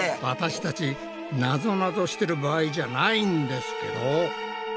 私たちナゾナゾしてる場合じゃないんですけど。